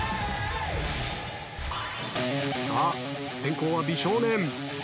さあ先攻は美少年。